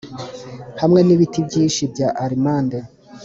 hamwe n'ibiti byinshi bya almande.